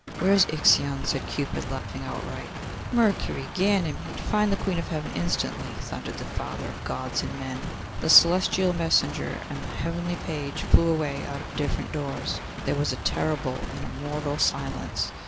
'Where is Ixion?' said Cupid, laughing outright. 'Mercury, Ganymede, find the Queen of Heaven instantly,' thundered the Father of Gods and men. The celestial messenger and the heavenly page flew away out of different doors. There was a terrible, an immortal silence.